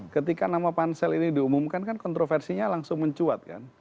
ketika nama pansel ini diumumkan kan kontroversinya langsung mencuat kan